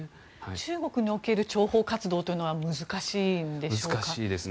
中国における諜報活動というのは難しいんでしょうか。